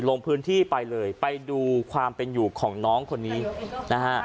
ลงพื้นที่ไปเลยไปดูความเป็นอยู่ของน้องคนนี้นะฮะ